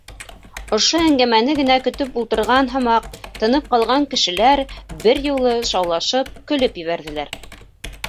Ошо әңгәмәне генә көтөп ултырған һымаҡ, тынып ҡалған кешеләр бер юлы шаулашып көлөп ебәрҙеләр: